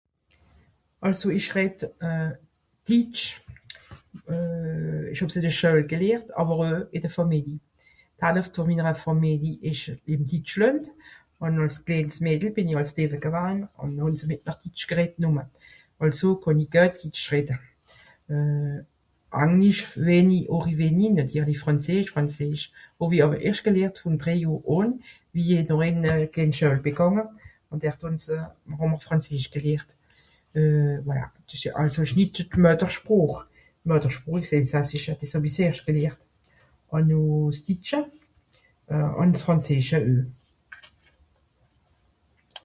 Àlso ìch redd euh... Ditsch, euh... ìch hàb's ì de Schuel gelehrt, àwer oe ìn de Fàmili. Haleft vùn minere Fàmili ìsch ìm Ditschlànd. Ùn àls klééns Mädel bìn àls dìwwe gewaan. Ùn noh hàn se mìt mr Ditsch gereddt numme. Àlso kànn i guet ditsch redde. Euh... Anglisch wenni, àri wenni, nàtirli frànzeesch, frànzeesch, hàw-i àwer erscht gelehrt vùn drèi Johr àn wie i noh ìn euh...d' kléén Schuel bì gànge ùn dert hàn se... hàà-mr frànzeesch gelehrt... euh... voilà. S ìsch euh àlso ìsch nit d'Muettersproch. d Muettersproch ìsch s Elsassische, dìs hàw-i s eerscht gelehrt. Ùn noh s Ditsche, ùn s Frànzeesche oe.